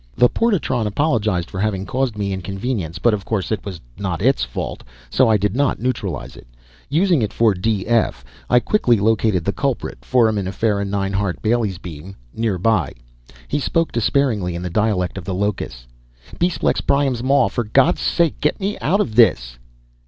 The portatron apologized for having caused me inconvenience; but of course it was not its fault, so I did not neutralize it. Using it for d f, I quickly located the culprit, Foraminifera 9 Hart Bailey's Beam, nearby. He spoke despairingly in the dialect of the locus, "Besplex Priam's Maw, for God's sake get me out of this!"